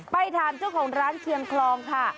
ไปทำทั้งของร้านเคียงคลองค่ะ